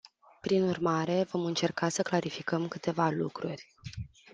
Prin urmare, vom încerca să clarificăm câteva lucruri.